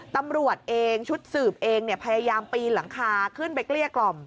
ตำรวจเองชุดสืบเองพยายามปีนหลังคาขึ้นไปเกลี้ยกล่อม